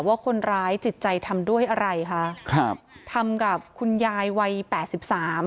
ว่าคนร้ายจิตใจทำด้วยอะไรคะครับทำกับคุณยายวัยแปดสิบสาม